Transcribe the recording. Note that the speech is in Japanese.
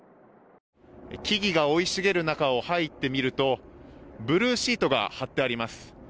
木々が生い茂る中を入ってみると、ブルーシートが張ってあります。